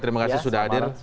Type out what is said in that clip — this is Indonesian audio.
terima kasih sudah hadir